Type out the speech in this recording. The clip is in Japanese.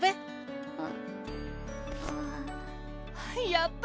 やった！